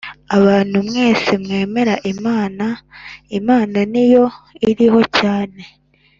abantu mwese mwemera Imana, Imana ni yo iriho cyane